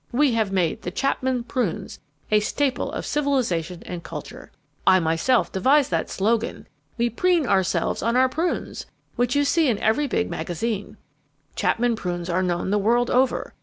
We have made the Chapman prunes a staple of civilization and culture. I myself devised that slogan 'We preen ourselves on our prunes' which you see in every big magazine. Chapman prunes are known the world over.